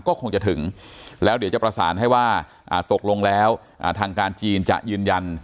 ก็คงจะถึงแล้วเดี๋ยวจะประสานให้ว่าตกลงแล้วทางการจีนจะยืนยัน